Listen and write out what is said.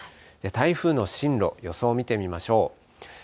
台風の進路、予想見てみましょう。